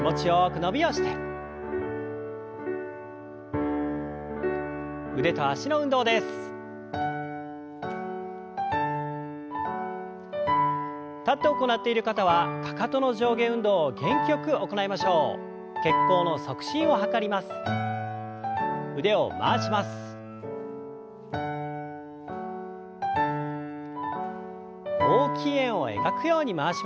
大きい円を描くように回しましょう。